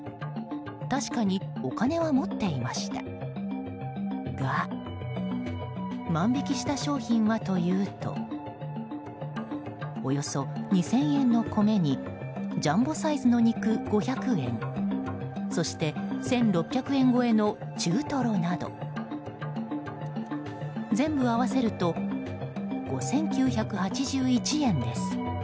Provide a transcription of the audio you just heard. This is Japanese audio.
確かにお金は持っていましたが万引きした商品はというとおよそ２０００円の米にジャンボサイズの肉５００円そして１６００円超えの中トロなど全部合わせると５９８１円です。